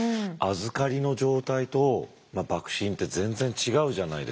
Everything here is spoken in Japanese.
預かりの状態と幕臣って全然違うじゃないですか。